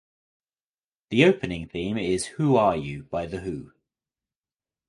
The opening theme is "Who Are You" by The Who.